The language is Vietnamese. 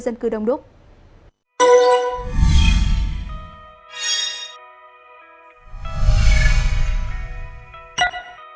hãy đăng ký kênh để ủng hộ kênh mình nhé